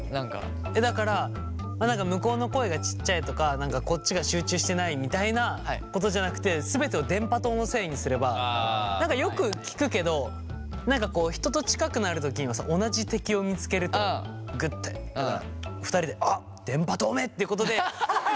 だから向こうの声がちっちゃいとかこっちが集中してないみたいなことじゃなくてよく聞くけど人と近くなる時に同じ敵を見つけるとグッと２人で「あっ電波塔め」っていうことで。